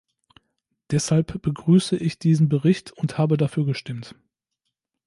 Deshalb begrüße ich diesen Bericht und habe dafür gestimmt.